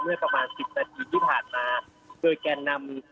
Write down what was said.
เมื่อประมาณสิบนาทีที่ผ่านมาโดยแกนนำ